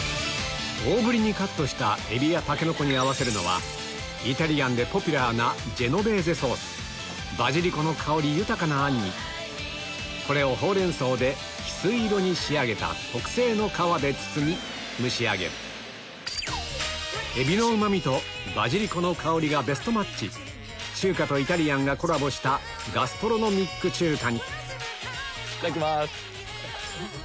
大ぶりにカットしたエビやタケノコに合わせるのはイタリアンでポピュラーなバジリコの香り豊かな餡にこれをホウレンソウで翡翠色に仕上げた特製の皮で包み蒸し上げるエビのうまみとバジリコの香りがベストマッチ中華とイタリアンがコラボしたガストロノミック中華にいただきます。